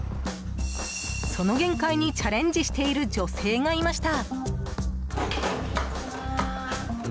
その限界にチャレンジしている女性がいました。